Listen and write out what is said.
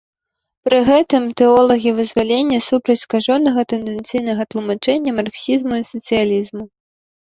Пры гэтым тэолагі вызвалення супраць скажонага тэндэнцыйнага тлумачэння марксізму і сацыялізму.